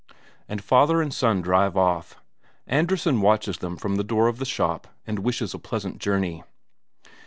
And father and son drive off. Andresen watches them from the door of the shop and wishes a pleasant journey.